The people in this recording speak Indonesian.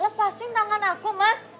lepasin tangan aku mas